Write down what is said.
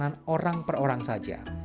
dan pesanan orang per orang saja